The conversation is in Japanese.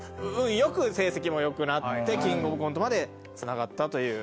よく成績もよくなって『キングオブコント』までつながったという。